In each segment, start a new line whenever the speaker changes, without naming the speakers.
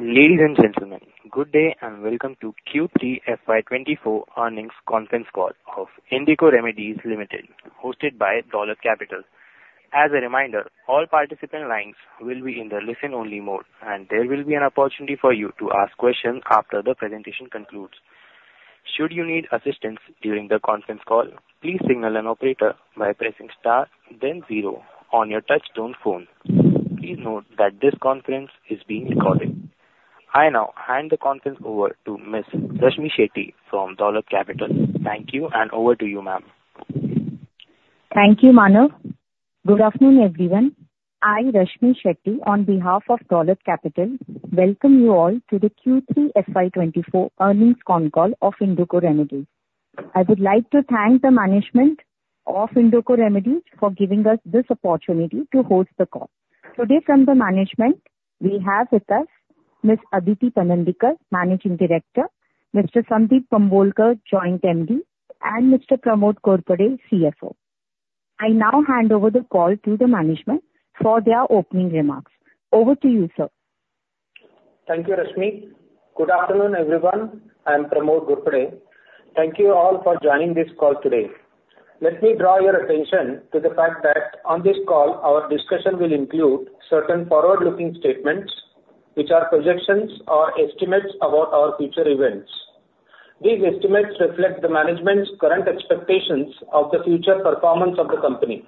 Ladies and gentlemen, good day, and welcome to Q3 FY 2024 earnings conference call of Indoco Remedies Ltd., hosted by Dolat Capital. As a reminder, all participant lines will be in the listen-only mode, and there will be an opportunity for you to ask questions after the presentation concludes. Should you need assistance during the conference call, please signal an operator by pressing star then zero on your touchtone phone. Please note that this conference is being recorded. I now hand the conference over to Ms. Rashmi Shetty from Dolat Capital. Thank you, and over to you, ma'am.
Thank you, Mano. Good afternoon, everyone. I, Rashmi Shetty, on behalf of Dolat Capital, welcome you all to the Q3 FY24 earnings con call of Indoco Remedies. I would like to thank the management of Indoco Remedies for giving us this opportunity to host the call. Today, from the management, we have with us Ms. Aditi Panandikar, Managing Director, Mr. Sundeep Bambolkar, Joint MD, and Mr. Pramod Ghorpade, CFO. I now hand over the call to the management for their opening remarks. Over to you, sir.
Thank you, Rashmi. Good afternoon, everyone. I am Pramod Ghorpade. Thank you all for joining this call today. Let me draw your attention to the fact that on this call, our discussion will include certain forward-looking statements, which are projections or estimates about our future events. These estimates reflect the management's current expectations of the future performance of the company.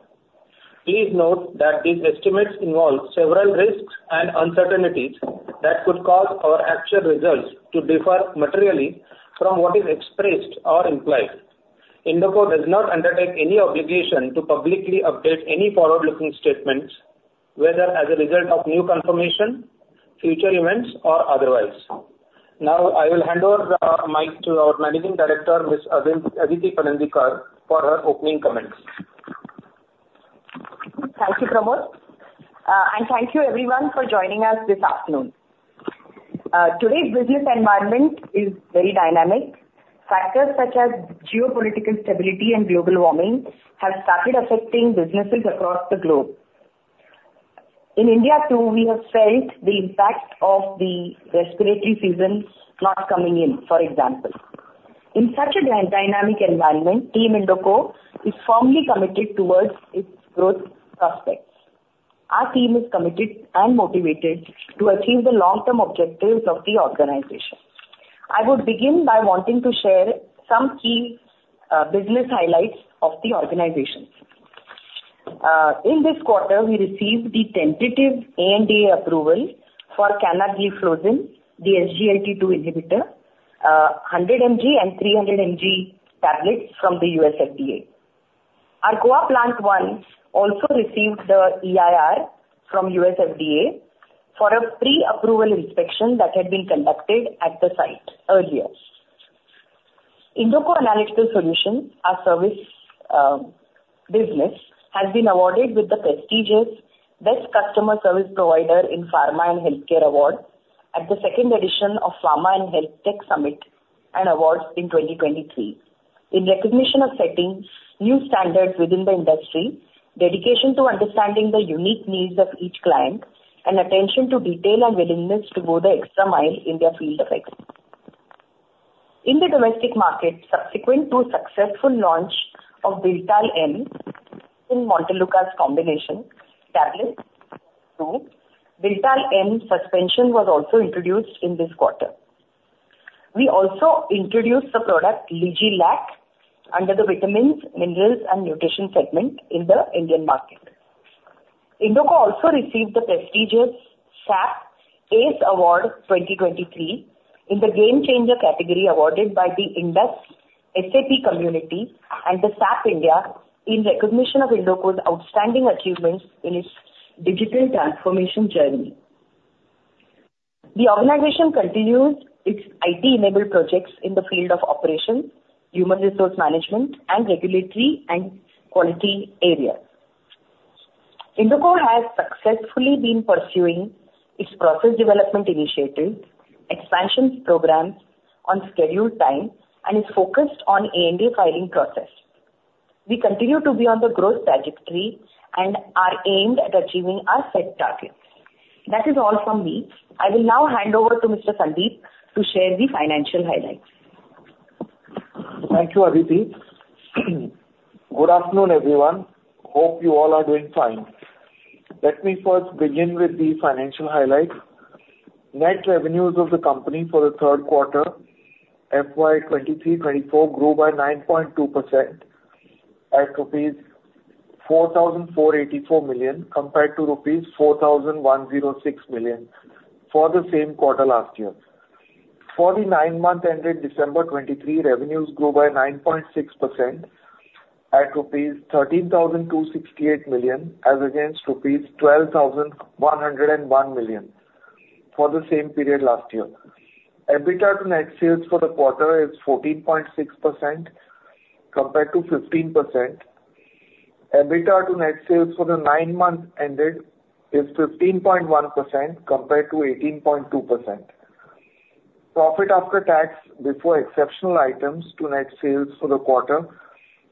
Please note that these estimates involve several risks and uncertainties that could cause our actual results to differ materially from what is expressed or implied. Indoco does not undertake any obligation to publicly update any forward-looking statements, whether as a result of new confirmation, future events, or otherwise. Now, I will hand over the mic to our Managing Director, Ms. Aditi Panandikar, for her opening comments.
Thank you, Pramod. And thank you everyone for joining us this afternoon. Today's business environment is very dynamic. Factors such as geopolitical stability and global warming have started affecting businesses across the globe. In India, too, we have felt the impact of the respiratory season not coming in, for example. In such a dynamic environment, team Indoco is firmly committed towards its growth prospects. Our team is committed and motivated to achieve the long-term objectives of the organization. I would begin by wanting to share some key business highlights of the organization. In this quarter, we received the tentative ANDA approval for canagliflozin, the SGLT2 inhibitor, 100 mg and 300 mg tablets from the US FDA. Our Goa Plant One also received the EIR from US FDA for a pre-approval inspection that had been conducted at the site earlier. Indoco Analytical Solutions, our service, business, has been awarded with the prestigious Best Customer Service Provider in Pharma and Healthcare Award at the second edition of Pharma and Health Tech Summit and Awards in 2023, in recognition of setting new standards within the industry, dedication to understanding the unique needs of each client, and attention to detail and willingness to go the extra mile in their field of excellence. In the domestic market, subsequent to a successful launch of Tiltal N in montelukast combination tablet too, Tiltal N Suspension was also introduced in this quarter. We also introduced the product, Ligi Lac, under the vitamins, minerals, and nutrition segment in the Indian market. Indoco also received the prestigious SAP ACE Award 2023 in the Game Changer category, awarded by the Indus SAP community and the SAP India in recognition of Indoco's outstanding achievements in its digital transformation journey. The organization continues its IT-enabled projects in the field of operations, human resource management, and regulatory and quality areas. Indoco has successfully been pursuing its process development initiatives, expansions programs on scheduled time, and is focused on ANDA filing process. We continue to be on the growth trajectory and are aimed at achieving our set targets. That is all from me. I will now hand over to Mr. Sundeep to share the financial highlights.
Thank you, Aditi. Good afternoon, everyone. Hope you all are doing fine. Let me first begin with the financial highlights. Net revenues of the company for the third quarter, FY 2023-2024, grew by 9.2% at rupees 4,484 million, compared to rupees 4,106 million, for the same quarter last year. For the nine months ended December 2023, revenues grew by 9.6% at rupees 13,268 million as against rupees 12,101 million for the same period last year. EBITDA to net sales for the quarter is 14.6%, compared to 15%. EBITDA to net sales for the nine months ended is 15.1%, compared to 18.2%. Profit after tax before exceptional items to net sales for the quarter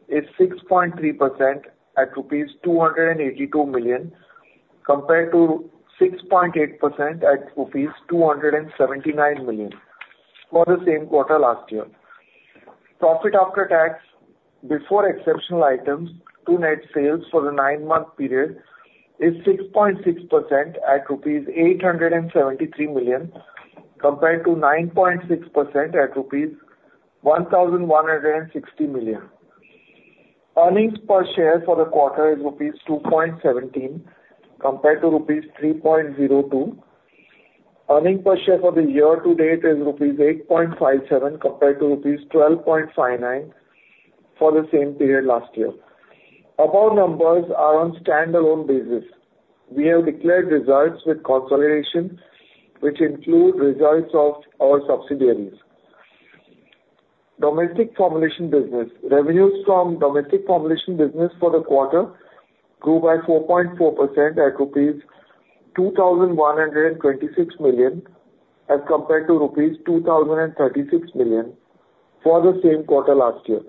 is 6.3% at rupees 282 million, compared to 6.8% at rupees 279 million for the same quarter last year. Profit after tax before exceptional items to net sales for the nine-month period is 6.6% at rupees 873 million, compared to 9.6% at rupees 1,160 million. Earnings per share for the quarter is rupees 2.17 compared to rupees 3.02. Earnings per share for the year to date is rupees 8.57 compared to rupees 12.59 for the same period last year. Above numbers are on standalone basis. We have declared results with consolidation, which include results of our subsidiaries. Domestic formulation business. Revenues from domestic formulation business for the quarter grew by 4.4% at rupees 2,126 million, as compared to rupees 2,036 million for the same quarter last year.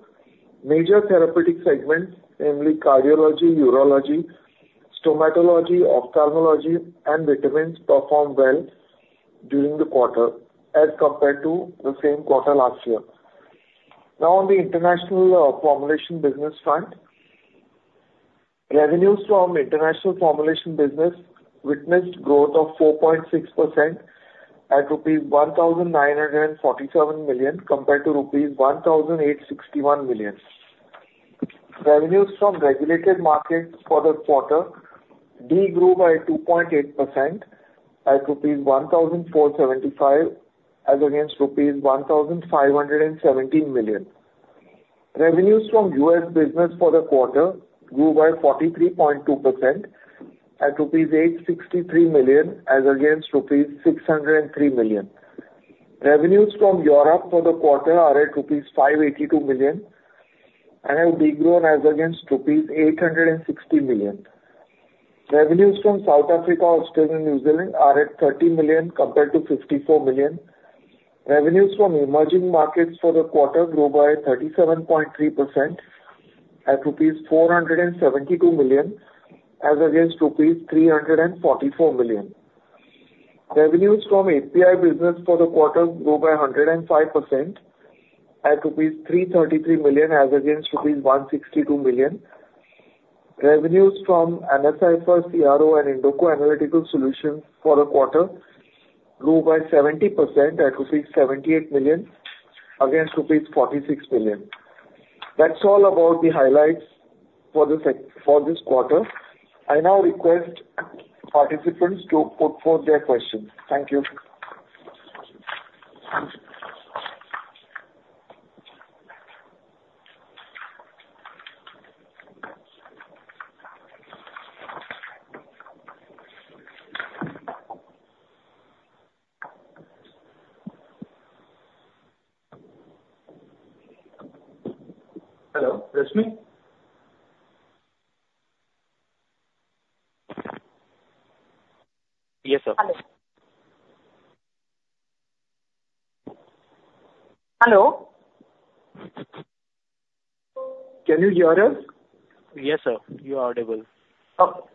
Major therapeutic segments, namely cardiology, urology, stomatology, ophthalmology and vitamins, performed well during the quarter as compared to the same quarter last year. Now, on the international, formulation business front. Revenues from international formulation business witnessed growth of 4.6% at rupees 1,947 million, compared to rupees 1,861 million. Revenues from regulated markets for the quarter de-grew by 2.8% at rupees 1,475 as against rupees 1,517 million. Revenues from US business for the quarter grew by 43.2% at rupees 863 million as against rupees 603 million. Revenues from Europe for the quarter are at rupees 582 million, and have de-grown as against rupees 860 million. Revenues from South Africa, Australia, New Zealand are at 30 million compared to 54 million. Revenues from emerging markets for the quarter grow by 37.3% at rupees 472 million, as against rupees 344 million. Revenues from API business for the quarter grew by 105% at rupees 333 million as against rupees 162 million. Revenues from NSi for CRO and Indoco Analytical Solutions for the quarter grew by 70% at rupees 78 million against rupees 46 million. That's all about the highlights for this quarter. I now request participants to put forth their questions. Thank you. Hello, Rashmi?
Yes, sir.
Hello?
Can you hear us?
Yes, sir, you are audible.
Oh.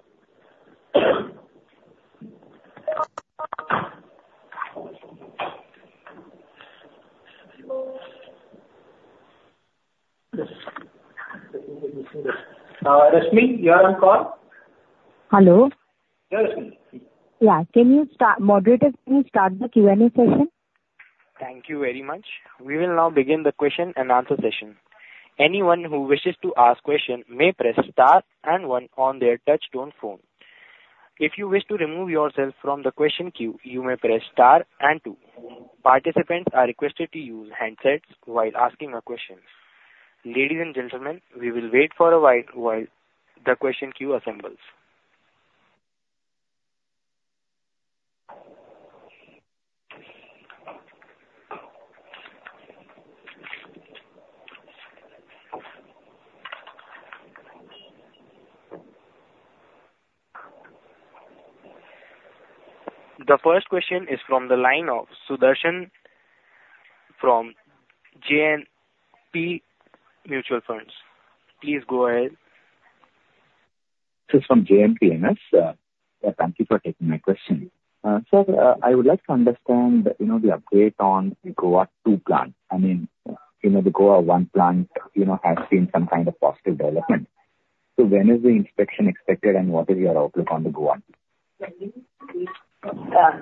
Rashmi, you are on call.
Hello.
Yeah, Rashmi.
Yeah. Can you start, moderator, can you start the Q&A session?
Thank you very much. We will now begin the question and answer session. Anyone who wishes to ask question may press star and one on their touchtone phone. If you wish to remove yourself from the question queue, you may press star and two. Participants are requested to use handsets while asking a question. Ladies and gentlemen, we will wait for a while, while the question queue assembles. The first question is from the line of Sudarshan from JNP Mutual Funds. Please go ahead.
This is from JNPMS. Uh, thank you for taking my question. So, I would like to understand, you know, the update on the Goa 2 plant. I mean, you know, the Goa 1 plant, you know, has been some kind of positive development. When is the inspection expected, and what is your outlook on the Goa?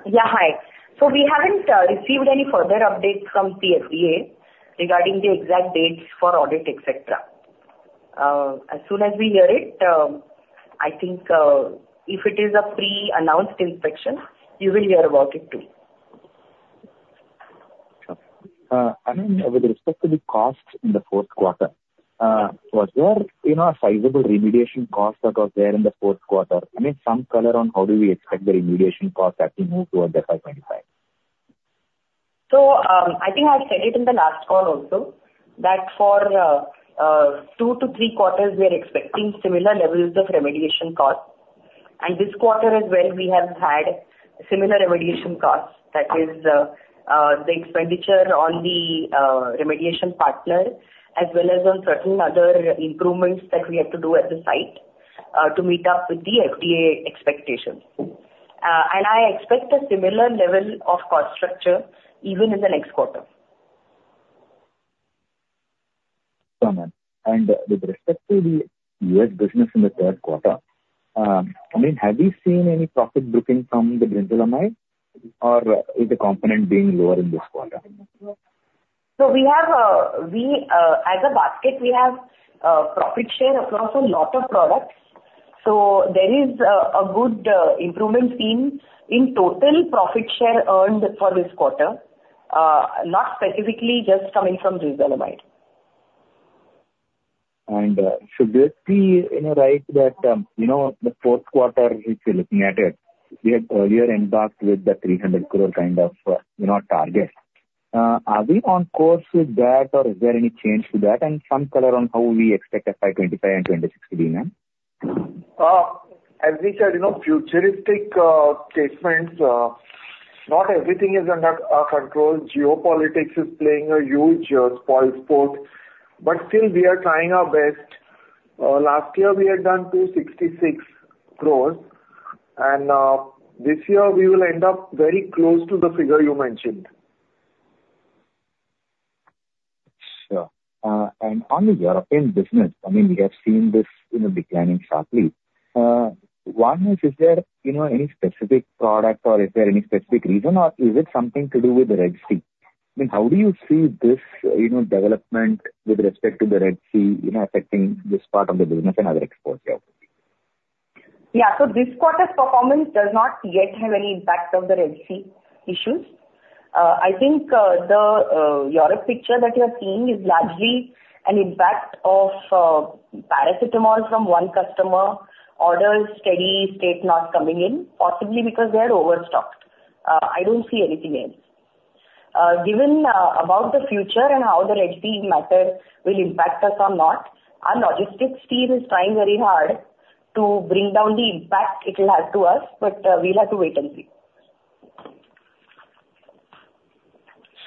Yeah, hi. So we haven't received any further updates from CFDA regarding the exact dates for audit, et cetera. As soon as we hear it, I think, if it is a pre-announced inspection, you will hear about it too.
I mean, with respect to the costs in the fourth quarter, was there, you know, a sizable remediation cost that was there in the fourth quarter? I mean, some color on how do we expect the remediation cost as we move towards the 525.
So, I think I said it in the last call also, that for two to three quarters, we are expecting similar levels of remediation cost. This quarter as well, we have had similar remediation costs. That is, the expenditure on the remediation partner, as well as on certain other improvements that we have to do at the site, to meet up with the FDA expectations. I expect a similar level of cost structure even in the next quarter.
Sure, ma'am. And with respect to the U.S. business in the third quarter, I mean, have you seen any profit booking from the brinzolamide, or is the component being lower in this quarter?
So, as a basket, we have profit share across a lot of products, so there is a good improvement seen in total profit share earned for this quarter, not specifically just coming from brinzolamide.
So, you know, right, that, you know, the fourth quarter, if you're looking at it, we had earlier embarked with the 300 crore kind of, you know, target. Are we on course with that, or is there any change to that? And some color on how we expect FY 2025 and 2026 to be, ma'am.
As we said, you know, futuristic statements, not everything is under control. Geopolitics is playing a huge spoilsport, but still we are trying our best. Last year we had done 266 crore, and this year we will end up very close to the figure you mentioned.
Sure. And on the European business, I mean, we have seen this, you know, declining sharply. One, is there, you know, any specific product or is there any specific reason, or is it something to do with the Red Sea? I mean, how do you see this, you know, development with respect to the Red Sea, you know, affecting this part of the business and other exports here?
Yeah. So this quarter's performance does not yet have any impact of the Red Sea issues. I think, the Europe picture that you're seeing is largely an impact of, paracetamol from one customer, orders, steady state not coming in, possibly because they are overstocked. I don't see anything else. Given, about the future and how the Red Sea matter will impact us or not, our logistics team is trying very hard to bring down the impact it will have to us, but, we'll have to wait and see.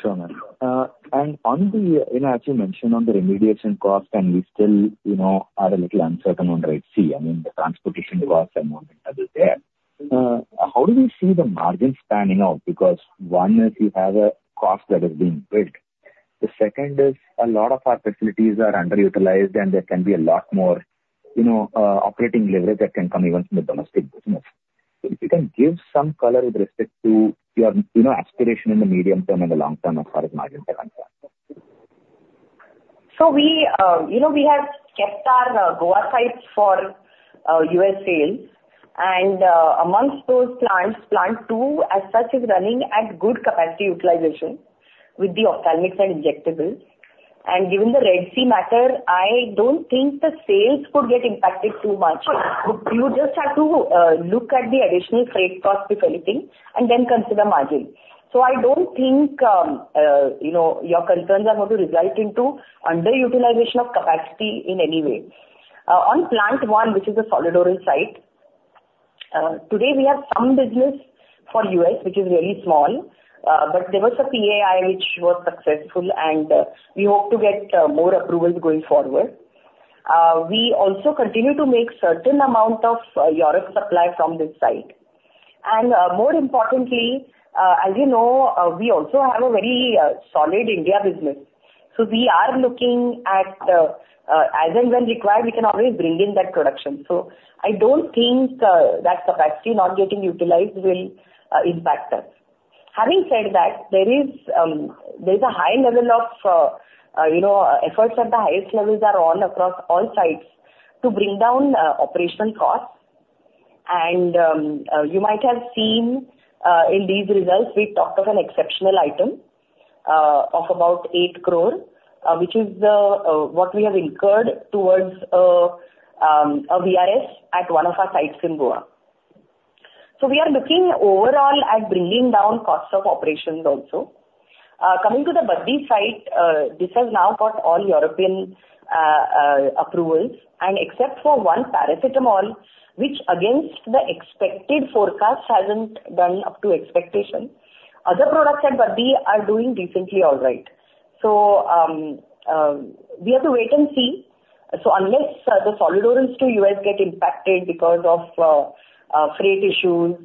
Sure, ma'am. And on the... You know, as you mentioned on the remediation cost, and we still, you know, are a little uncertain on Red Sea, I mean, the transportation costs and all that, that is there. How do you see the margin spanning out? Because one is, you have a cost that is being built. The second is a lot of our facilities are underutilized, and there can be a lot more, you know, operating leverage that can come even from the domestic business. If you can give some color with respect to your, you know, aspiration in the medium term and the long term, as far as margins are concerned.
So we, you know, we have kept our, Goa sites for, U.S. sales, and, amongst those plants, plant two as such, is running at good capacity utilization with the organics and injectables. And given the Red Sea matter, I don't think the sales could get impacted too much. You just have to, look at the additional freight costs, if anything, and then consider margin. So I don't think, you know, your concerns are going to result into underutilization of capacity in any way. On plant one, which is a solid oral site, today we have some business for U.S., which is very small, but there was a PAI which was successful, and, we hope to get, more approvals going forward. We also continue to make certain amount of, Europe supply from this site. More importantly, as you know, we also have a very solid India business. So we are looking at, as and when required, we can always bring in that production. So I don't think that capacity not getting utilized will impact us. Having said that, there is a high level of, you know, efforts at the highest levels are on across all sites to bring down operational costs. And, you might have seen, in these results, we talked of an exceptional item of about 8 crore, which is the what we have incurred towards a VRS at one of our sites in Goa. So we are looking overall at bringing down costs of operations also. Coming to the Baddi site, this has now got all European approvals, and except for one paracetamol, which against the expected forecast, hasn't done up to expectation. Other products at Baddi are doing decently all right. So, we have to wait and see. So unless the solid orals to U.S. get impacted because of freight issues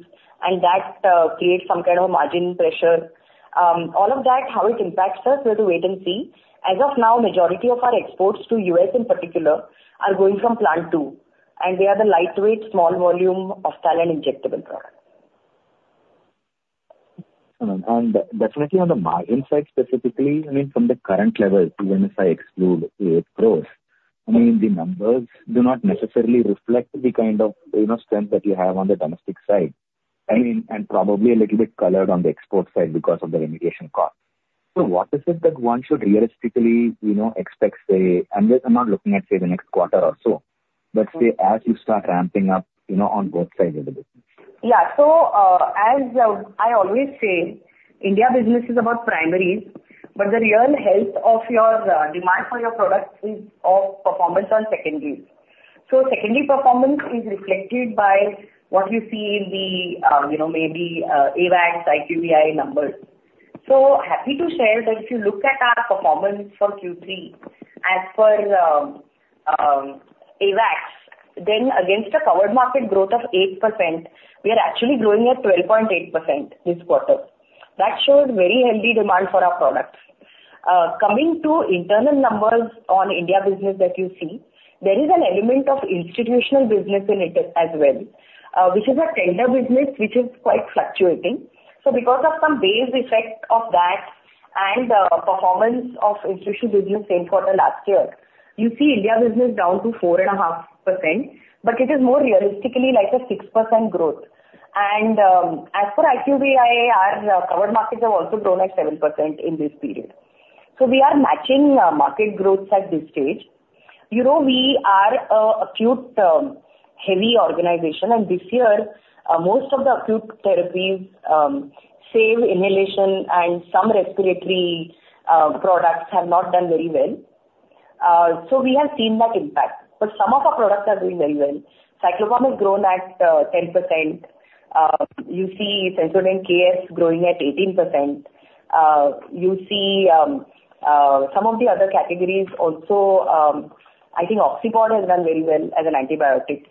and that creates some kind of margin pressure, all of that, how it impacts us, we have to wait and see. As of now, majority of our exports to U.S. in particular, are going from plant two, and they are the lightweight, small volume of vials and injectable products.
Definitely on the margin side, specifically, I mean, from the current level, even if I exclude 8 crore, I mean, the numbers do not necessarily reflect the kind of, you know, strength that you have on the domestic side. I mean, and probably a little bit colored on the export side because of the remediation cost. So what is it that one should realistically, you know, expect, say... I'm not looking at, say, the next quarter or so, but say, as you start ramping up, you know, on both sides of the business?...
Yeah, so, as I always say, India business is about primaries, but the real health of your demand for your products is of performance on secondaries. So secondary performance is reflected by what you see in the, you know, maybe, AWACS, IQVI numbers. So happy to share that if you look at our performance for Q3, as per AWACS, then against a covered market growth of 8%, we are actually growing at 12.8% this quarter. That showed very healthy demand for our products. Coming to internal numbers on India business that you see, there is an element of institutional business in it as well, which is a tender business, which is quite fluctuating. So because of some base effect of that and, performance of institutional business same quarter last year, you see India business down to 4.5%, but it is more realistically like a 6% growth. And, as for IQVIA, our covered markets have also grown at 7% in this period. So we are matching, market growth at this stage. You know, we are an acute, heavy organization, and this year, most of the acute therapies, save inhalation and some respiratory, products, have not done very well. So we have seen that impact. But some of our products are doing very well. Cyclopam has grown at, 10%. You see Sensodent KS growing at 18%. You see, some of the other categories also, I think Oxipod has done very well as an antibiotic.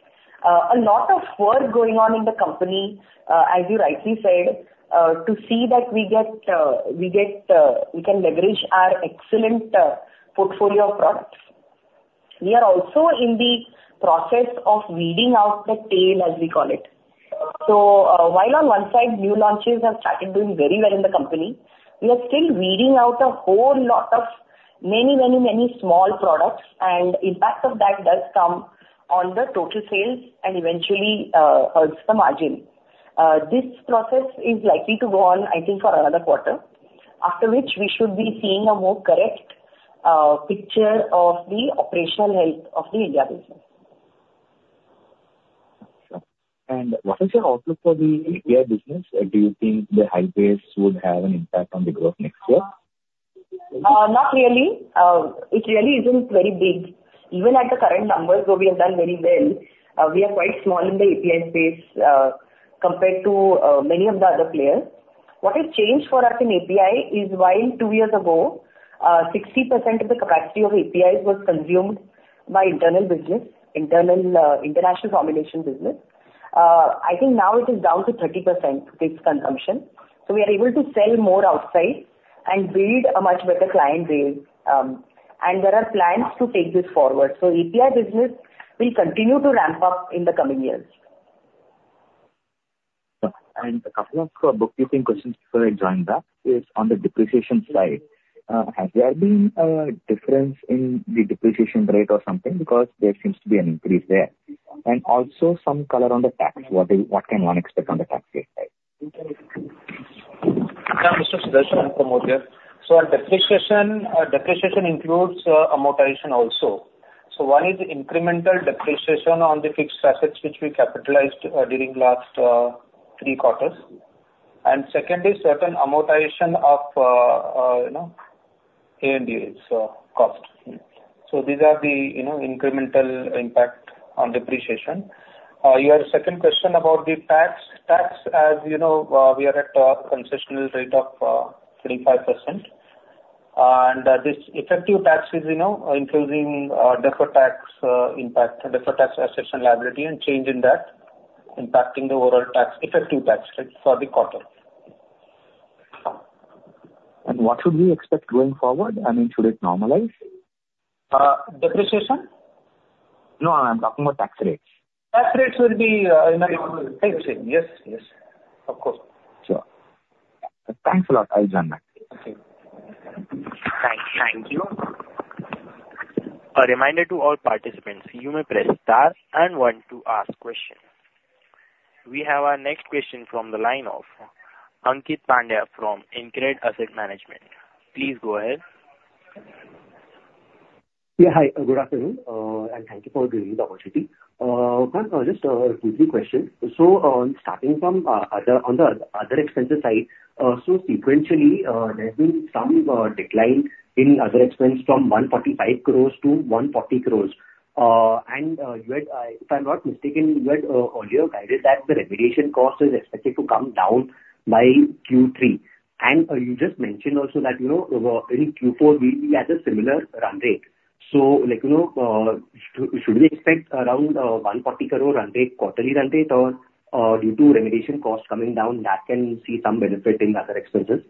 A lot of work going on in the company, as you rightly said, to see that we can leverage our excellent portfolio of products. We are also in the process of weeding out the tail, as we call it. So, while on one side, new launches have started doing very well in the company, we are still weeding out a whole lot of many, many, many small products, and impact of that does come on the total sales and eventually hurts the margin. This process is likely to go on, I think, for another quarter, after which we should be seeing a more correct picture of the operational health of the India business.
What is your outlook for the API business? Do you think the high base would have an impact on the growth next year?
Not really. It really isn't very big. Even at the current numbers, where we have done very well, we are quite small in the API space, compared to, many of the other players. What has changed for us in API is, while two years ago, 60% of the capacity of APIs was consumed by internal business, internal, international formulation business, I think now it is down to 30%, this consumption. So we are able to sell more outside and build a much better client base. And there are plans to take this forward. So API business will continue to ramp up in the coming years.
A couple of bookkeeping questions before I join back, is on the depreciation side. Has there been a difference in the depreciation rate or something? Because there seems to be an increase there. Also some color on the tax. What can one expect on the tax rate side?
Yeah, Mr. Sudarshan from here. So on depreciation, depreciation includes amortization also. So one is incremental depreciation on the fixed assets, which we capitalized during last three quarters. And second is certain amortization of, you know, ANDAs cost. So these are the, you know, incremental impact on depreciation. Your second question about the tax. Tax, as you know, we are at a concessional rate of 35%. And this effective tax is, you know, including deferred tax impact, deferred tax asset and liability, and change in that, impacting the overall tax effective tax rate for the quarter.
What should we expect going forward? I mean, should it normalize?
Uh, depreciation?
No, I'm talking about tax rates.
Tax rates will be, you know, same, yes. Yes, of course.
Sure. Thanks a lot. I'll join back.
Okay.
Thank you. A reminder to all participants, you may press star and one to ask questions. We have our next question from the line of Ankit Pandya from InCred Asset Management. Please go ahead.
Yeah, hi. Good afternoon, and thank you for giving the opportunity. Just, two, three questions. So, starting from, other, on the other expenses side, so sequentially, there's been some, decline in other expenses from 145 crore to 140 crore. And, you had, if I'm not mistaken, you had, earlier guided that the remediation cost is expected to come down by Q3. And, you just mentioned also that, you know, in Q4, we'll be at a similar run rate. So, like, you know, should we expect around, one forty crore run rate, quarterly run rate, or, due to remediation costs coming down, that can see some benefit in other expenses?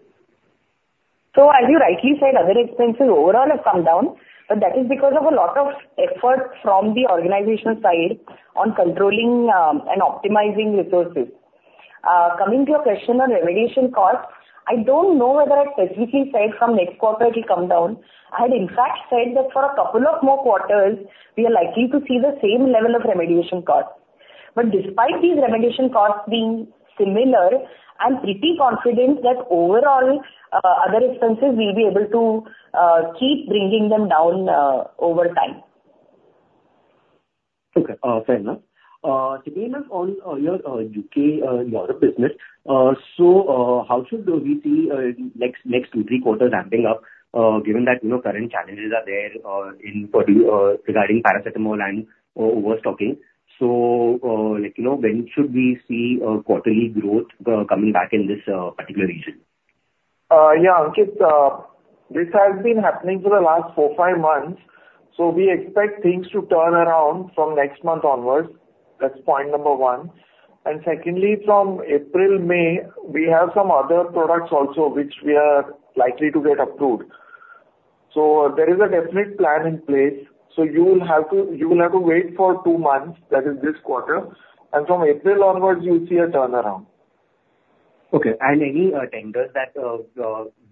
So, as you rightly said, other expenses overall have come down, but that is because of a lot of effort from the organizational side on controlling and optimizing resources. Coming to your question on remediation costs, I don't know whether I specifically said from next quarter it will come down. I had, in fact, said that for a couple of more quarters, we are likely to see the same level of remediation costs. But despite these remediation costs being similar, I'm pretty confident that overall, other expenses, we'll be able to keep bringing them down over time....
Okay, fair enough. To begin on your U.K., Europe business, so how should we see next 2-3 quarters ramping up, given that, you know, current challenges are there in part, regarding paracetamol and overstocking. So, like, you know, when should we see quarterly growth coming back in this particular region?
Yeah, Ankit, this has been happening for the last four, five months, so we expect things to turn around from next month onwards. That's point number one. And secondly, from April, May, we have some other products also which we are likely to get approved. So there is a definite plan in place, so you will have to, you will have to wait for months, that is this quarter, and from April onwards you'll see a turnaround.
Okay. And any tenders that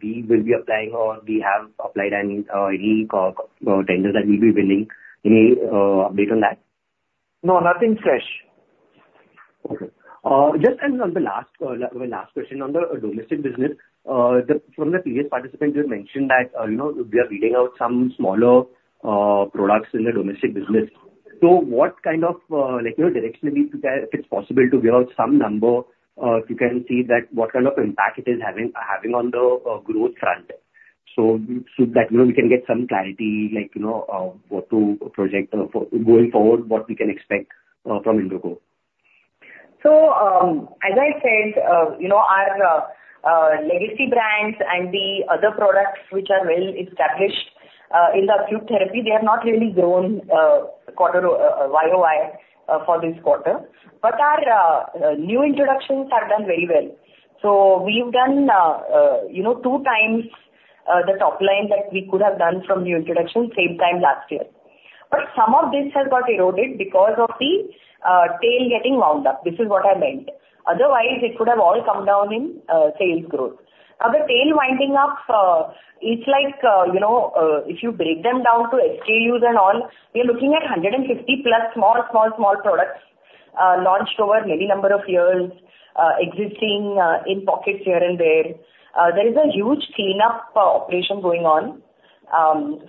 we will be applying or we have applied, and any tenders that we'll be winning, any update on that?
No, nothing fresh.
Okay. Just and on the last, last question on the domestic business. The, from the previous participant, you had mentioned that, you know, we are weeding out some smaller, products in the domestic business. So what kind of, like, you know, directionally, if it's possible to give out some number, if you can see that, what kind of impact it is having, having on the, growth front? So, so that, you know, we can get some clarity, like, you know, what to project, for going forward, what we can expect, from Indoco.
So, as I said, you know, our legacy brands and the other products which are well established in the acute therapy, they have not really grown quarter YOY for this quarter. But our new introductions have done very well. So we've done, you know, two times the top line that we could have done from new introductions same time last year. But some of this has got eroded because of the tail getting wound up. This is what I meant. Otherwise, it could have all come down in sales growth. Now, the tail winding up, it's like, you know, if you break them down to SKUs and all, we are looking at 150+ small, small, small products, launched over many number of years, existing, in pockets here and there. There is a huge cleanup operation going on,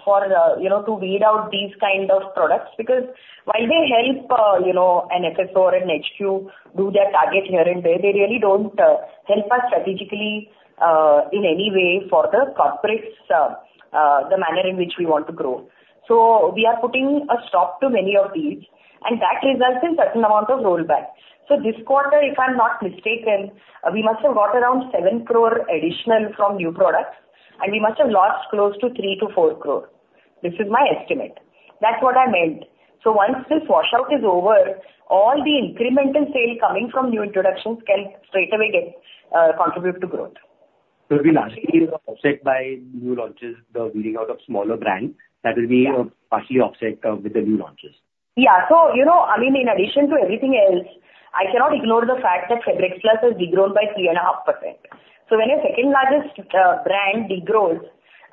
for, you know, to weed out these kind of products. Because while they help, you know, an FSO or an HQ do their target here and there, they really don't help us strategically, in any way for the corporates, the manner in which we want to grow. So we are putting a stop to many of these, and that results in certain amount of rollback. So this quarter, if I'm not mistaken, we must have got around 7 crore additional from new products, and we must have lost close to 3 crore-4 crore. This is my estimate. That's what I meant. So once this washout is over, all the incremental sale coming from new introductions can straightaway get, contribute to growth.
So it will largely be offset by new launches, the weeding out of smaller brands, that will be partially offset with the new launches.
Yeah. So, you know, I mean, in addition to everything else, I cannot ignore the fact that Febrex Plus has degrown by 3.5%. So when your second largest brand degrows,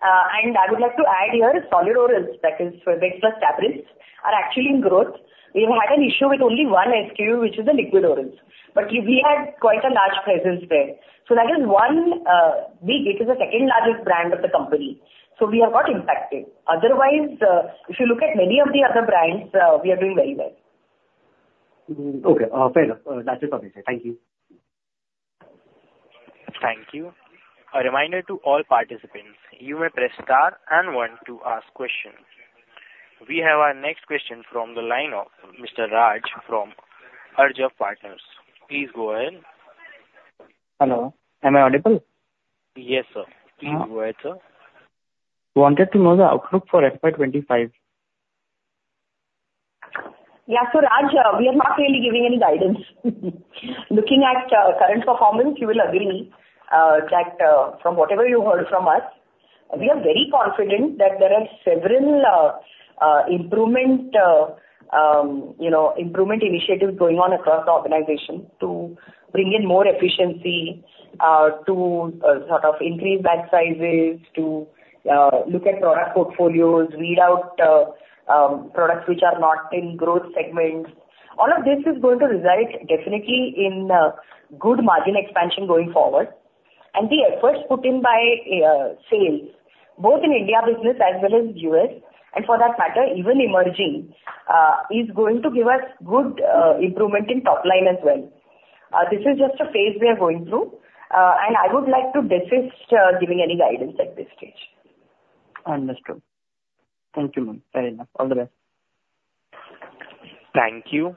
and I would like to add here, solid orals, that is Febrex Plus tablets, are actually in growth. We have had an issue with only one SKU, which is the liquid orals, but we had quite a large presence there. So that is one big, it is the second largest brand of the company, so we are not impacted. Otherwise, if you look at many of the other brands, we are doing very well.
Okay, fair enough. That's it from my side. Thank you.
Thank you. A reminder to all participants, you may press Star and One to ask questions. We have our next question from the line of Mr. Raj from Arjav Partners. Please go ahead.
Hello, am I audible?
Yes, sir.
Yeah.
Please go ahead, sir.
Wanted to know the outlook for FY 2025?
Yeah. So, Raj, we are not really giving any guidance. Looking at current performance, you will agree that from whatever you heard from us, we are very confident that there are several improvement, you know, improvement initiatives going on across the organization to bring in more efficiency, to sort of increase batch sizes, to look at product portfolios, weed out products which are not in growth segments. All of this is going to result definitely in good margin expansion going forward. And the efforts put in by sales, both in India business as well as U.S., and for that matter, even Emerging, is going to give us good improvement in top line as well. This is just a phase we are going through, and I would like to desist giving any guidance at this stage.
Understood. Thank you, ma'am. Fair enough. All the best.
Thank you.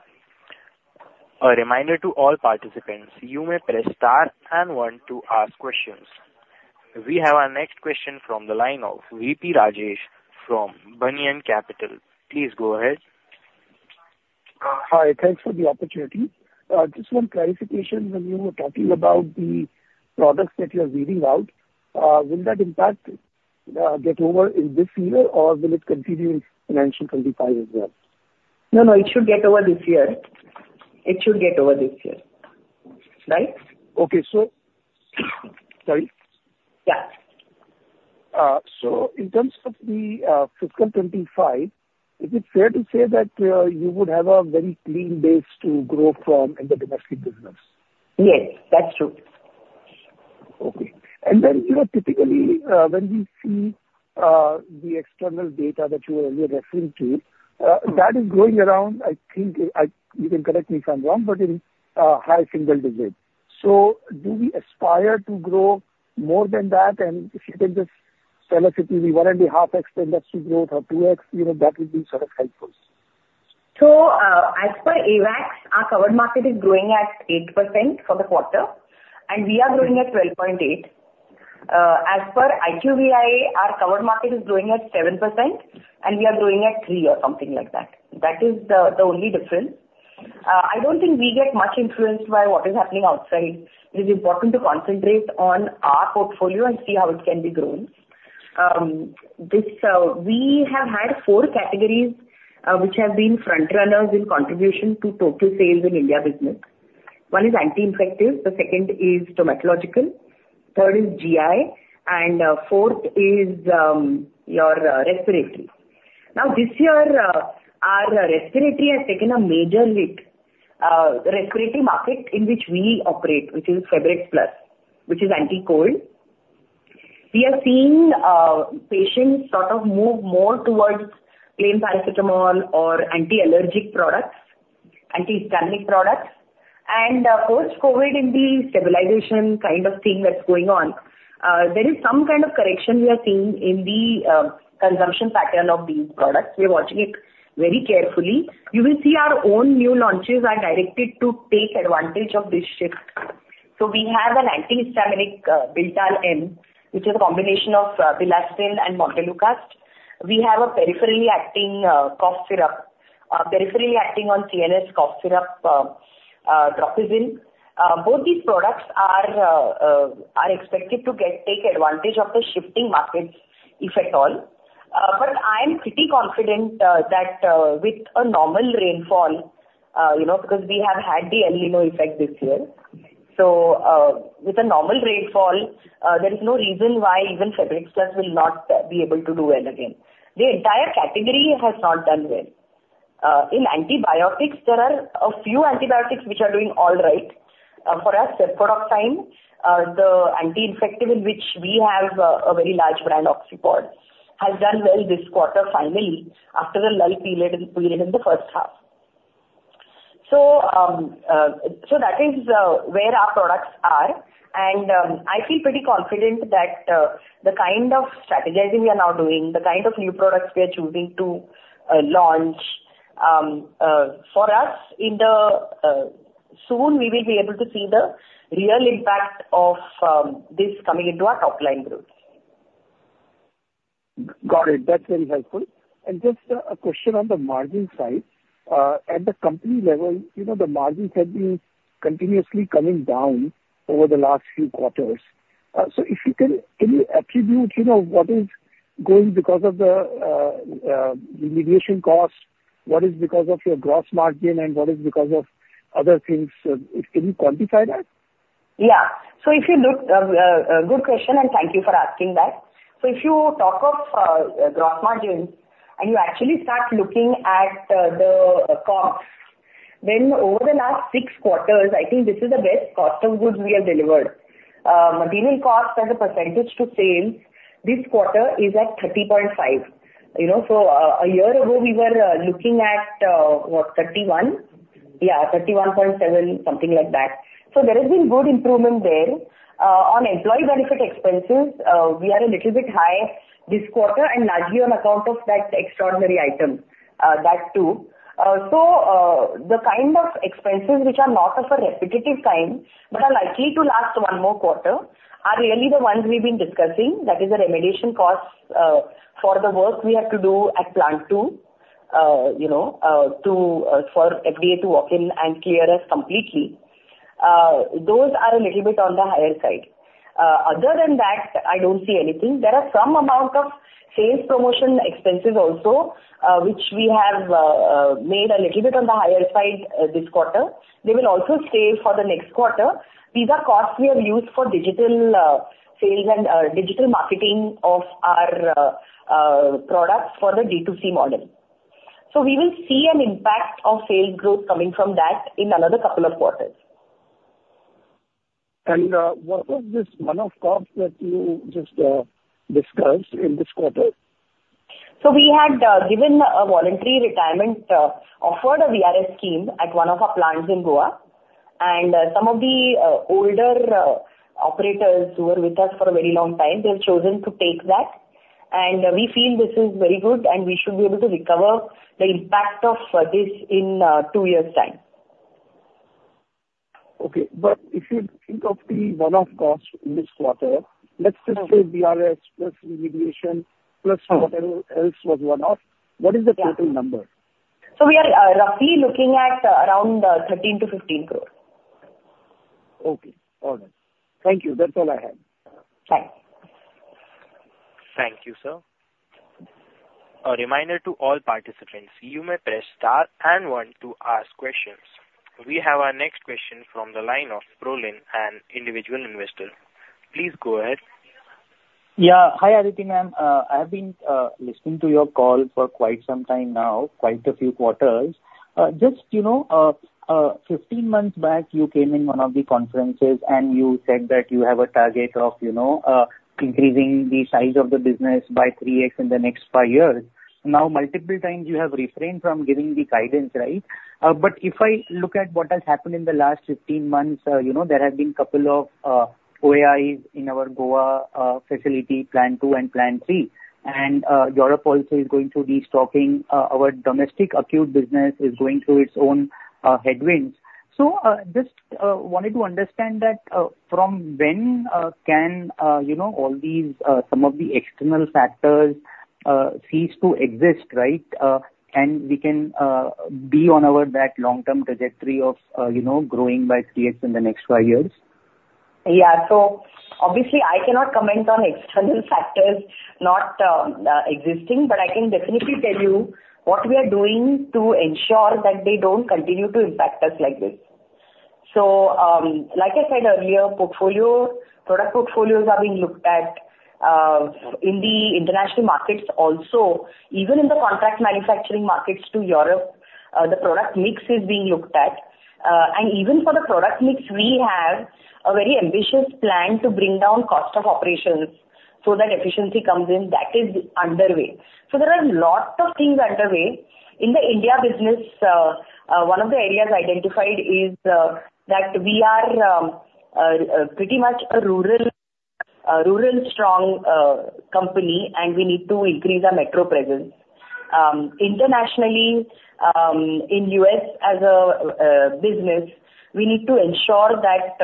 A reminder to all participants, you may press Star and One to ask questions. We have our next question from the line of V.P. Rajesh from Banyan Capital. Please go ahead.
Hi, thanks for the opportunity. Just one clarification. When you were talking about the products that you are weeding out, will that impact get over in this year, or will it continue in financial 25 as well?
No, no, it should get over this year. It should get over this year. Right?
Okay, so... Sorry.
Yeah.
So in terms of the fiscal 25, is it fair to say that you would have a very clean base to grow from in the domestic business?
Yes, that's true....
Okay. And then, you know, typically, when we see the external data that you were earlier referring to, that is growing around, I think, you can correct me if I'm wrong, but in high single digit. So do we aspire to grow more than that? And if you can just tell us if it is we want to be half X industry growth or two X, you know, that would be sort of helpful.
As per AWACS, our covered market is growing at 8% for the quarter, and we are growing at 12.8%. As per IQVIA, our covered market is growing at 7%, and we are growing at 3 or something like that. That is the only difference. I don't think we get much influenced by what is happening outside. It is important to concentrate on our portfolio and see how it can be grown. We have had four categories which have been front runners in contribution to total sales in India business. One is anti-infective, the second is dermatological, third is GI, and fourth is your respiratory. Now, this year, our respiratory has taken a major hit. The respiratory market in which we operate, which is Febrex Plus, which is anti-cold. We are seeing patients sort of move more towards plain paracetamol or anti-allergic products, antihistaminic products. Post-COVID in the stabilization kind of thing that's going on, there is some kind of correction we are seeing in the consumption pattern of these products. We are watching it very carefully. You will see our own new launches are directed to take advantage of this shift. So we have an antihistaminic, Bilta M, which is a combination of bilastine and montelukast. We have a peripherally acting cough syrup, peripherally acting on CNS, cough syrup, Droxyl. Both these products are expected to take advantage of the shifting markets, if at all. But I am pretty confident that with a normal rainfall, you know, because we have had the El Niño effect this year. So, with a normal rainfall, there is no reason why even Febrex Plus will not be able to do well again. The entire category has not done well. In antibiotics, there are a few antibiotics which are doing all right. For us, cefpodoxime, the anti-infective in which we have a very large brand, Oxipod, has done well this quarter, finally, after a lull period in the first half. So, that is where our products are. And, I feel pretty confident that the kind of strategizing we are now doing, the kind of new products we are choosing to launch, for us, in the... Soon, we will be able to see the real impact of this coming into our top-line growth.
Got it. That's very helpful. And just a question on the margin side. At the company level, you know, the margins have been continuously coming down over the last few quarters. So if you can, can you attribute, you know, what is going because of the litigation costs, what is because of your gross margin, and what is because of other things? Can you quantify that?
Yeah. So if you look, good question, and thank you for asking that. So if you talk of gross margins, and you actually start looking at the costs, then over the last six quarters, I think this is the best cost of goods we have delivered. Material costs as a percentage to sales this quarter is at 30.5%. You know, so, a year ago, we were looking at what? 31. Yeah, 31.7, something like that. So there has been good improvement there. On employee benefit expenses, we are a little bit high this quarter, and largely on account of that extraordinary item, that too. So, the kind of expenses which are not of a repetitive kind, but are likely to last one more quarter, are really the ones we've been discussing. That is the remediation costs for the work we have to do at Plant Two, you know, to for FDA to walk in and clear us completely. Those are a little bit on the higher side. Other than that, I don't see anything. There are some amount of sales promotion expenses also made a little bit on the higher side this quarter. They will also stay for the next quarter. These are costs we have used for digital sales and digital marketing of our products for the D2C model. So we will see an impact of sales growth coming from that in another couple of quarters.
What was this one-off cost that you just discussed in this quarter?
We had given a voluntary retirement, offered a VRS scheme at one of our plants in Goa. Some of the older operators who were with us for a very long time, they've chosen to take that. We feel this is very good, and we should be able to recover the impact of this in two years' time.
Okay. But if you think of the one-off costs in this quarter, let's just say VRS, plus remediation, plus whatever else was one-off, what is the total number?
We are roughly looking at around 13 crore-15 crore.
Okay. All right. Thank you. That's all I have.
Bye.
Thank you, sir. A reminder to all participants, you may press star and one to ask questions. We have our next question from the line of Prolin, an individual investor. Please go ahead....
Yeah. Hi, Aditi, ma'am. I've been listening to your call for quite some time now, quite a few quarters. Just, you know, 15 months back, you came in one of the conferences, and you said that you have a target of, you know, increasing the size of the business by 3x in the next five years. Now, multiple times you have refrained from giving the guidance, right? But if I look at what has happened in the last 15 months, you know, there have been couple of OAI in our Goa facility, Plant Two and Plant Three. Europe also is going through destocking. Our domestic acute business is going through its own headwinds. So, just wanted to understand that from when can you know all these some of the external factors cease to exist, right? And we can be on our long-term trajectory of you know growing by 3x in the next five years.
Yeah. So obviously, I cannot comment on external factors not existing, but I can definitely tell you what we are doing to ensure that they don't continue to impact us like this. So, like I said earlier, product portfolios are being looked at in the international markets also. Even in the contract manufacturing markets to Europe, the product mix is being looked at. And even for the product mix, we have a very ambitious plan to bring down cost of operations so that efficiency comes in. That is underway. So there are lots of things underway. In the India business, one of the areas identified is that we are pretty much a rural strong company, and we need to increase our metro presence. Internationally, in U.S., as a business, we need to ensure that,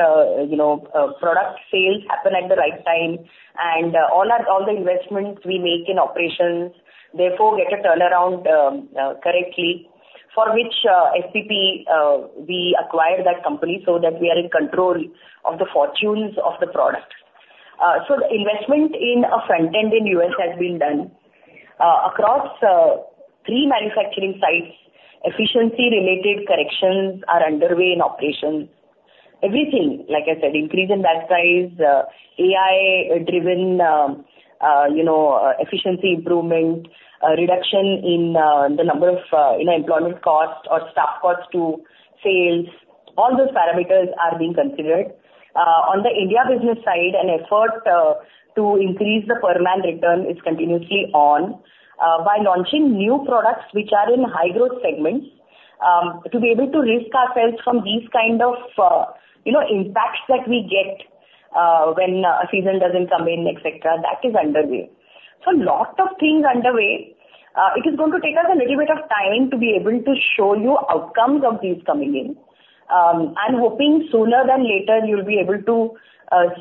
you know, product sales happen at the right time, and all our, all the investments we make in operations, therefore, get a turnaround, correctly, for which, FPP, we acquired that company so that we are in control of the fortunes of the product. So the investment in our front end in U.S. has been done. Across three manufacturing sites, efficiency-related corrections are underway in operations. Everything, like I said, increase in that size, AI-driven, you know, efficiency improvement, reduction in the number of, you know, employment costs or staff costs to sales. All those parameters are being considered. On the India business side, an effort to increase the per man return is continuously on by launching new products which are in high-growth segments, to be able to risk ourselves from these kind of, you know, impacts that we get when a season doesn't come in, et cetera. That is underway. So lots of things underway. It is going to take us a little bit of time to be able to show you outcomes of these coming in. I'm hoping sooner than later, you'll be able to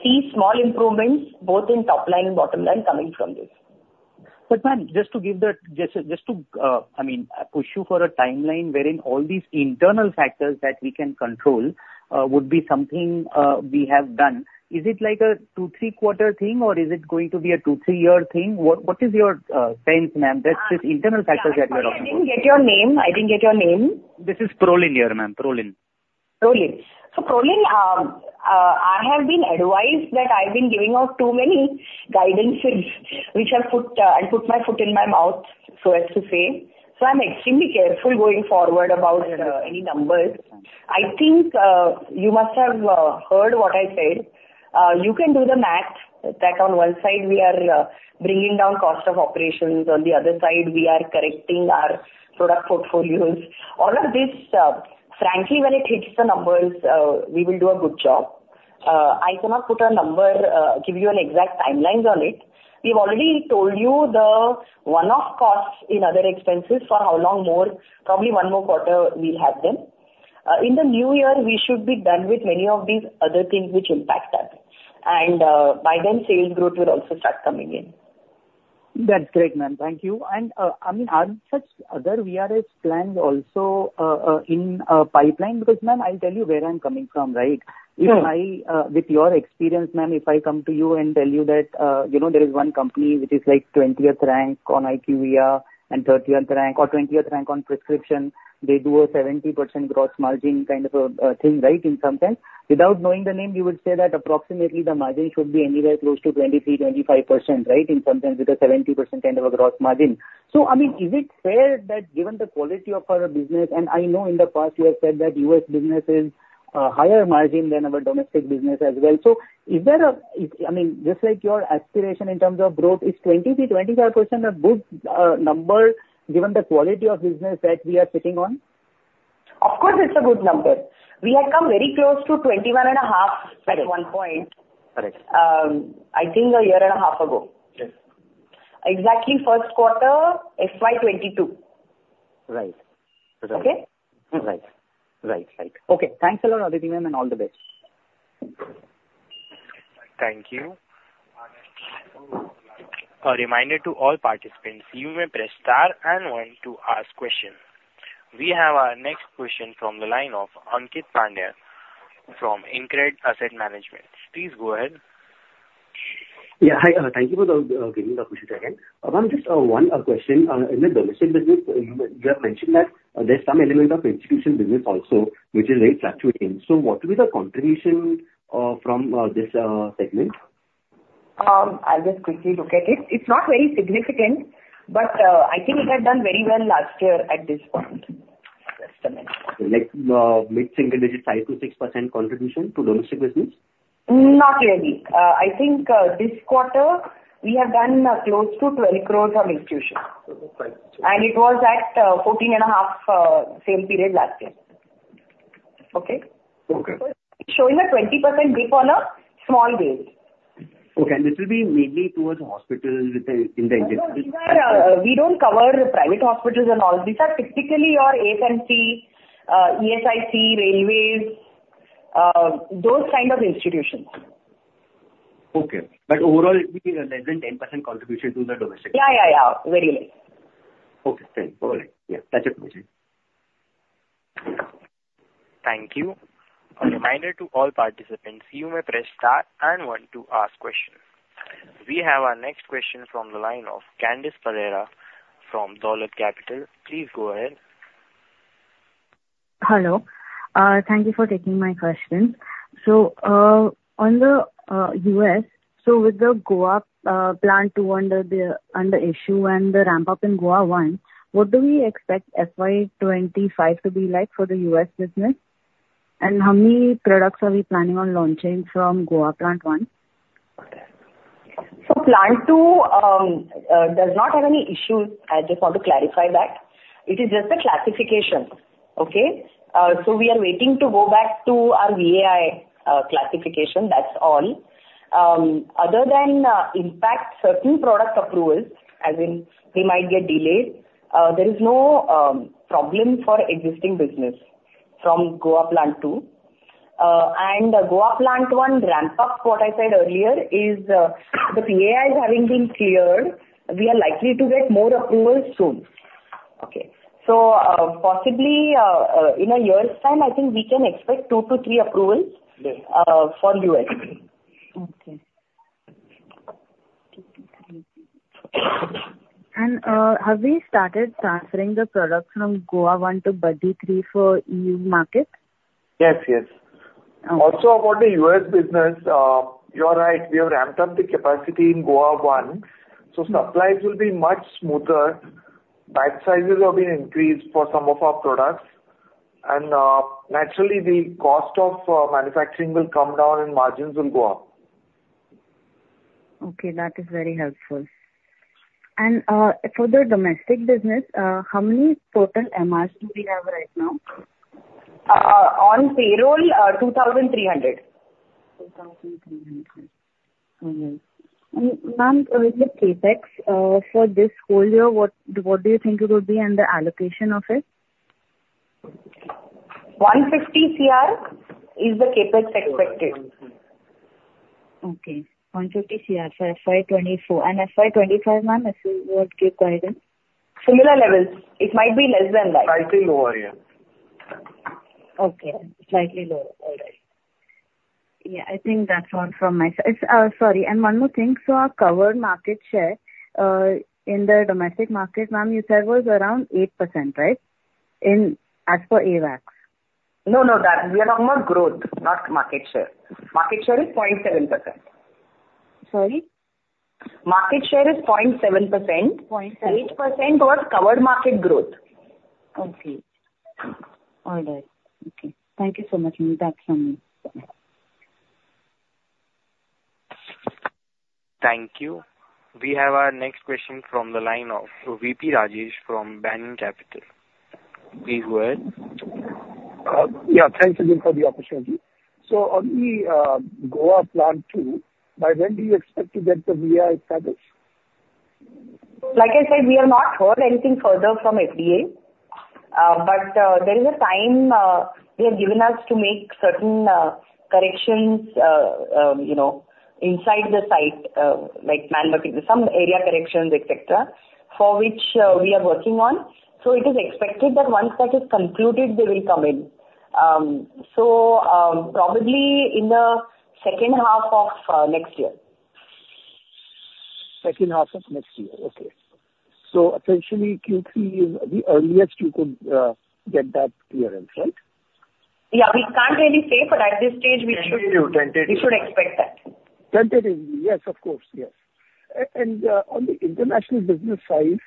see small improvements both in top line and bottom line coming from this.
But, ma'am, just to, I mean, push you for a timeline wherein all these internal factors that we can control would be something we have done. Is it like a two, three quarter thing, or is it going to be a two, three year thing? What is your sense, ma'am, that this internal factor that we are talking about?
I didn't get your name. I didn't get your name.
This is Prolin here, ma'am. Prolin.
Prolin. So, Prolin, I have been advised that I've been giving out too many guidances, which I put, I put my foot in my mouth, so as to say, so I'm extremely careful going forward about any numbers. I think you must have heard what I said. You can do the math, that on one side, we are bringing down cost of operations. On the other side, we are correcting our product portfolios. All of this, frankly, when it hits the numbers, we will do a good job. I cannot put a number, give you an exact timelines on it. We've already told you the one-off costs in other expenses, for how long more? Probably one more quarter we'll have them. In the new year, we should be done with many of these other things which impact us. By then, sales growth will also start coming in.
That's great, ma'am. Thank you. And, I mean, are such other VRS plans also in pipeline? Because, ma'am, I'll tell you where I'm coming from, right?
Sure.
If I, with your experience, ma'am, if I come to you and tell you that, you know, there is one company which is like twentieth rank on IQVIA and thirtieth rank or twentieth rank on prescription, they do a 70% gross margin kind of a thing, right, in sometimes. Without knowing the name, you would say that approximately the margin should be anywhere close to 23%-25%, right? In sometimes with a 70% kind of a gross margin. So, I mean, is it fair that given the quality of our business, and I know in the past you have said that US business is higher margin than our domestic business as well. So is there a... I mean, just like your aspiration in terms of growth, is 20%-25% a good number, given the quality of business that we are sitting on?
Of course, it's a good number. We had come very close to 21.5 at one point.
Correct.
I think a year and a half ago.
Yes.
Exactly, first quarter, FY 2022.
Right.
Okay?
Right. Right, right. Okay, thanks a lot, Aditi, ma'am, and all the best.
Thank you. A reminder to all participants, you may press star and one to ask questions. We have our next question from the line of Ankeet Pandya from InCred Asset Management. Please go ahead.
Yeah, hi, thank you for the giving the question again. Just one question. In the domestic business, you have mentioned that there's some element of institutional business also, which is very fluctuating. So what will be the contribution from this segment?...
I'll just quickly look at it. It's not very significant, but, I think it had done very well last year at this point.
Like, mid single digits, 5%-6% contribution to domestic business?
Not really. I think this quarter we have done close to 20 crore of institutions.
Okay.
It was at 14.5, same period last year. Okay?
Okay.
Showing a 20% dip on a small base.
Okay, and this will be mainly towards hospitals, in the industry?
We don't cover private hospitals and all. These are typically your ASNC, ESIC, railways, those kind of institutions.
Okay. Overall, it will be less than 10% contribution to the domestic?
Yeah, yeah, yeah. Very less.
Okay, great. All right. Yeah, that's it for me.
Thank you. A reminder to all participants, you may press star and one to ask questions. We have our next question from the line of Candice Pereira from Dolat Capital. Please go ahead.
Hello. Thank you for taking my question. So, on the U.S., so with the Goa Plant Two under issue and the ramp up in Goa Plant One, what do we expect FY 25 to be like for the US business? And how many products are we planning on launching from Goa Plant One?
So Plant Two does not have any issues. I just want to clarify that. It is just a classification. Okay? So we are waiting to go back to our VAI classification. That's all. Other than impact certain product approvals, as in they might get delayed, there is no problem for existing business from Goa Plant Two. And Goa Plant One ramp up, what I said earlier, is the PAI having been cleared, we are likely to get more approvals soon. Okay. So possibly in a year's time, I think we can expect two to three approvals.
Yes.
- for U.S.
Okay. Have we started transferring the products from Goa One to Baddi Three for EU markets?
Yes, yes.
Okay.
Also, on the U.S. business, you are right, we have ramped up the capacity in Goa One, so supplies will be much smoother. Batch sizes have been increased for some of our products, and, naturally, the cost of manufacturing will come down and margins will go up.
Okay, that is very helpful. And, for the domestic business, how many total MRs do we have right now?
On payroll, 2,300.
2,300. Mm-hmm. And, ma'am, with the CapEx, for this whole year, what, what do you think it will be and the allocation of it?
150 crore is the CapEx expected.
Okay. 150 crore for FY 2024. And FY 2025, ma'am, if you would give guidance?
Similar levels. It might be less than that.
Slightly lower, yeah.
Okay. Slightly lower. All right. Yeah, I think that's all from my side. Sorry, and one more thing, so our covered market share in the domestic market, ma'am, you said was around 8%, right? In, as per AWACS.
No, no, that we are talking about growth, not market share. Market share is 0.7%.
Sorry?
Market share is 0.7%.
0.7-
8% was covered market growth.
Okay. All right. Okay. Thank you so much, ma'am. That's from me.
Thank you. We have our next question from the line of V.P. Rajesh from Banyan Capital. Please go ahead.
Yeah, thanks again for the opportunity. So on the Goa Plant Two, by when do you expect to get the VAI status?
Like I said, we have not heard anything further from FDA, but there is a time they have given us to make certain corrections, you know, inside the site, like manually, some area corrections, et cetera, for which we are working on. So it is expected that once that is concluded, they will come in. So, probably in the second half of next year.
Second half of next year. Okay. So essentially, Q3 is the earliest you could get that clearance, right?
Yeah, we can't really say, but at this stage we should-
Tentatively, we would.
We should expect that.
Tentatively, yes, of course, yes. On the international business side,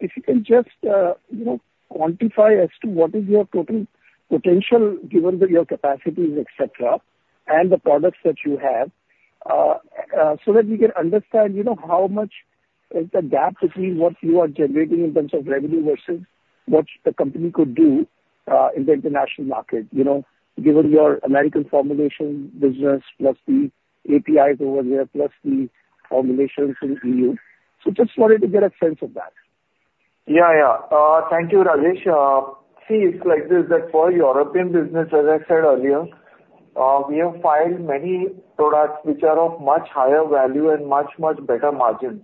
if you can just, you know, quantify as to what is your total potential, given your capacities, et cetera, and the products that you have, so that we can understand, you know, how much is the gap between what you are generating in terms of revenue versus what the company could do in the international market. You know, given your American formulation business, plus the APIs over there, plus the formulations in EU. So just wanted to get a sense of that.
Yeah, yeah. Thank you, Rajesh. See, it's like this, that for European business, as I said earlier, we have filed many products which are of much higher value and much, much better margins.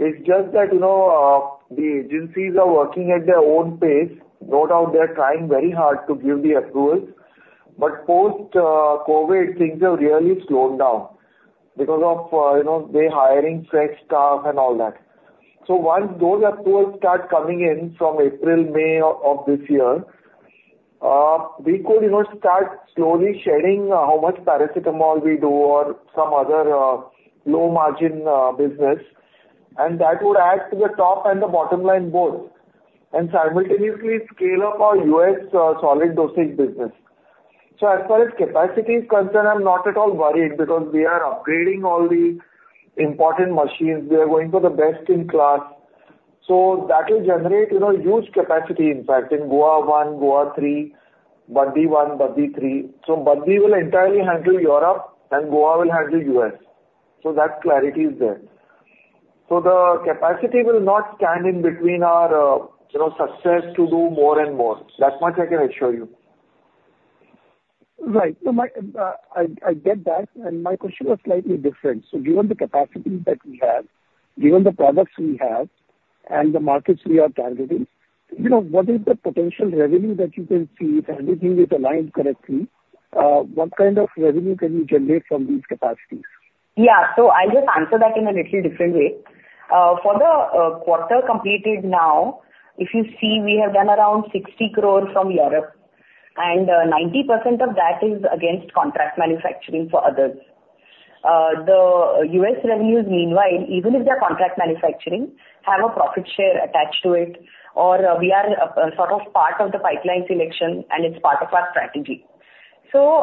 It's just that, you know, the agencies are working at their own pace. No doubt, they are trying very hard to give the approvals, but post COVID, things have really slowed down because of, you know, they're hiring fresh staff and all that. So once those approvals start coming in from April, May of this year, we could, you know, start slowly shedding how much paracetamol we do or some other low margin business, and that would add to the top and the bottom line both, and simultaneously scale up our U.S. solid dosage business. So as far as capacity is concerned, I'm not at all worried because we are upgrading all the important machines. We are going for the best in class. So that will generate, you know, huge capacity, in fact, in Goa one, Goa three, Baddi one, Baddi three. So Baddi will entirely handle Europe and Goa will handle U.S. So that clarity is there. So the capacity will not stand in between our, you know, success to do more and more. That much I can assure you.
Right. So my, I get that, and my question was slightly different. So given the capacity that we have, given the products we have and the markets we are targeting, you know, what is the potential revenue that you can see? If everything is aligned correctly, what kind of revenue can you generate from these capacities?
Yeah. So I'll just answer that in a little different way. For the quarter completed now, if you see, we have done around 60 crore from Europe, and 90% of that is against contract manufacturing for others. The U.S. revenues, meanwhile, even if they're contract manufacturing, have a profit share attached to it or we are sort of part of the pipeline selection, and it's part of our strategy. So,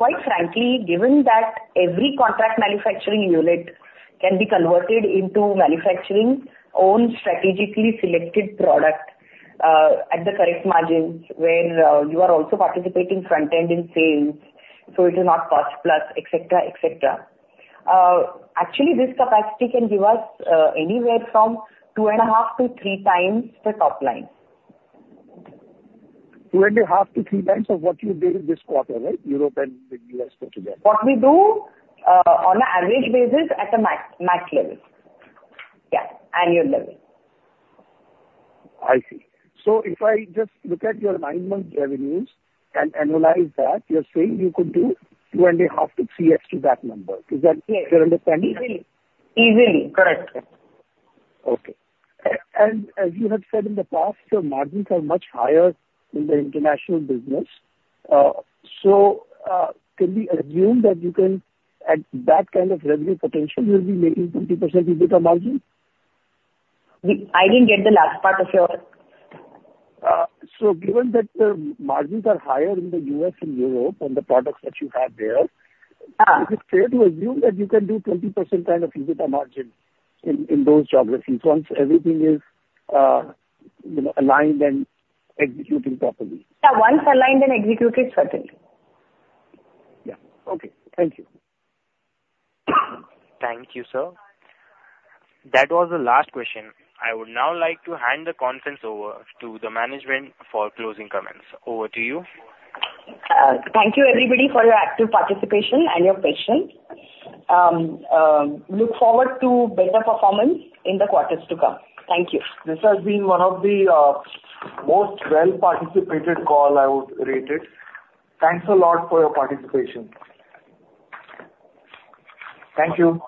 quite frankly, given that every contract manufacturing unit can be converted into manufacturing own strategically selected product at the correct margins, where you are also participating front-end in sales, so it is not cost plus, et cetera, et cetera. Actually, this capacity can give us anywhere from 2.5-3 times the top line.
2.5-3 times of what you did this quarter, right? Europe and the U.S. put together.
What we do, on an average basis at the max, max level. Yeah, annual level.
I see. So if I just look at your nine-month revenues and annualize that, you're saying you could do 2.5-3x to that number. Is that?
Yes.
-your understanding?
Easily. Correct.
Okay. And as you have said in the past, your margins are much higher in the international business. So, can we assume that you can, at that kind of revenue potential, you'll be making 20% EBITDA margin?
I didn't get the last part of your...
So, given that the margins are higher in the U.S. and Europe on the products that you have there-
Ah.
Is it fair to assume that you can do 20% kind of EBITDA margin in, in those geographies once everything is, you know, aligned and executing properly?
Yeah, once aligned and executed, certainly.
Yeah. Okay. Thank you.
Thank you, sir. That was the last question. I would now like to hand the conference over to the management for closing comments. Over to you.
Thank you, everybody, for your active participation and your patience. Look forward to better performance in the quarters to come. Thank you.
This has been one of the most well-participated call, I would rate it. Thanks a lot for your participation. Thank you.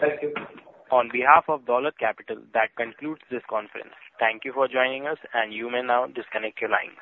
Thank you.
On behalf of Dolat Capital, that concludes this conference. Thank you for joining us, and you may now disconnect your lines.